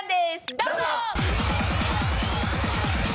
どうぞ！